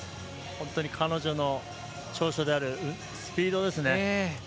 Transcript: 本当に彼女の長所であるスピードですね。